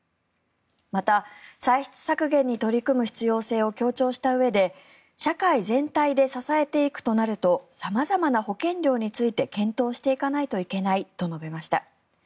また、歳出削減に取り組む必要性を強調したうえで社会全体で支えていくとなると様々な保険料について検討していかないといけないと述べました。